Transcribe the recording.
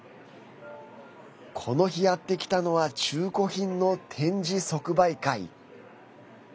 この日やってきたのは中古品の展示即売会。